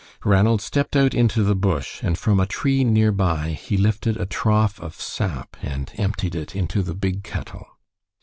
Ranald stepped out into the bush, and from a tree near by he lifted a trough of sap and emptied it into the big kettle.